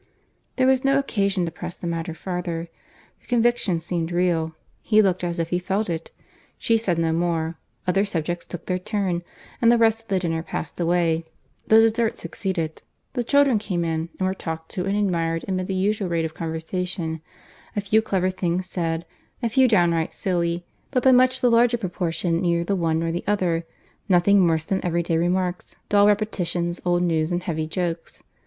There was no occasion to press the matter farther. The conviction seemed real; he looked as if he felt it. She said no more, other subjects took their turn; and the rest of the dinner passed away; the dessert succeeded, the children came in, and were talked to and admired amid the usual rate of conversation; a few clever things said, a few downright silly, but by much the larger proportion neither the one nor the other—nothing worse than everyday remarks, dull repetitions, old news, and heavy jokes.